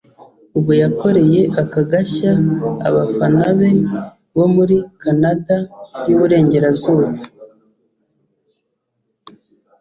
ubwo yakoreye aka gashya abafana be bo muri Canada y’Uburengerazuba